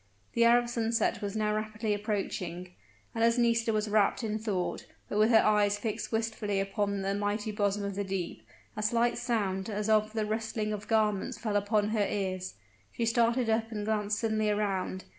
The hour of sunset was now rapidly approaching, and as Nisida was wrapped in thought, but with her eyes fixed wistfully upon the mighty bosom of the deep, a slight sound as of the rustling of garments fell upon her ears. She started up and glanced suddenly around.